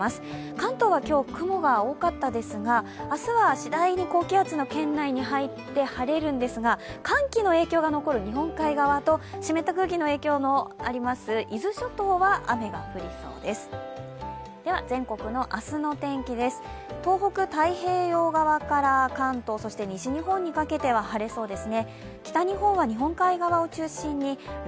関東は今日、雲が多かったですが、明日は次第に高気圧の圏内に入って晴れるんですが、寒気の影響が残る日本海側の湿った空気の影響が残る伊豆諸島は雨が降りそうです。